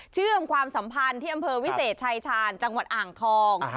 เชื่อมความสัมพันธ์ที่อำเภอวิเศษชายชาญจังหวัดอ่างทอง